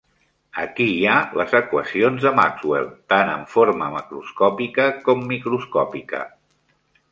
Aquí hi ha les equacions de Maxwell, tant en forma macroscòpica com microscòpica.